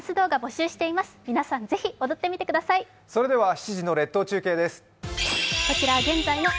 ７時の列島中継です。